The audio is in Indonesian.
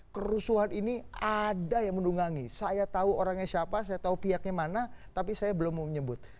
kerusuhan ini ada yang mendungangi saya tahu orangnya siapa saya tahu pihaknya mana tapi saya belum menyebut